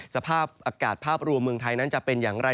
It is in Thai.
สภาพอากาศภาพรวมเมืองไทยนั้นจะเป็นอย่างไร